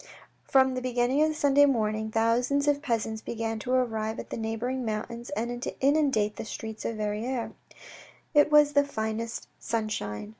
From the beginning of the Sunday morning, thousands of peasants began to arrive from the neighbouring mountains, and to inundate the streets of Verrieres. It was the finest sun shine.